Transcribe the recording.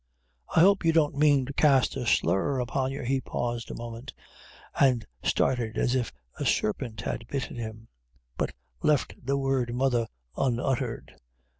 "I hope you don't mean to cast a slur upon your ." He paused a moment and started as if a serpent had bitten him; but left the word "mother" unuttered.